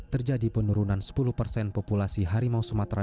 terjadi penurunan sepuluh persen populasi harimau sumatera